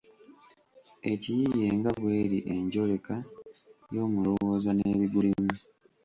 Ekiyiiye nga bw’eri enjoleka y’omulowooza n’ebigulimu.